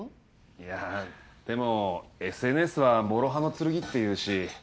いやでもＳＮＳはもろ刃の剣っていうし。